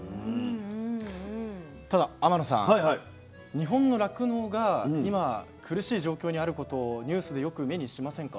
日本の酪農が今苦しい状況にあることをニュースでよく目にしませんか？